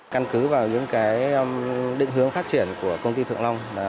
căn cứ vào những định hướng phát triển của công ty thượng long